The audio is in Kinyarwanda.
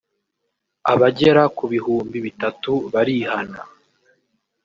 abagera ku bihumbi bitatu barihana